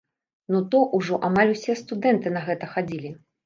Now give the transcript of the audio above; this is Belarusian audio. Ну то ўжо амаль усе студэнты на гэта хадзілі.